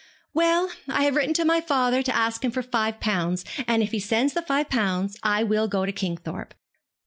'Well, I have written to my father to ask him for five pounds, and if he sends the five pounds I will go to Kingthorpe.